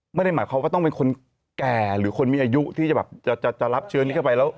ไม่ได้หมายความว่าต้องเป็นคนแก่หรือคนมีอายุที่จะแบบจะรับเชื้อนี้เข้าไปแล้ว